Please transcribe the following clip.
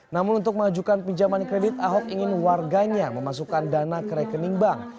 namun untuk mengajukan pinjaman kredit ahok ingin warganya memasukkan dana ke rekening bank